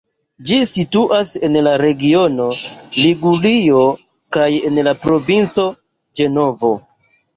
Ĝi situas en la regiono Ligurio kaj en la provinco Ĝenovo.